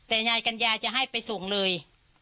แต่ยายกัญญาจะให้ไปส่งเลย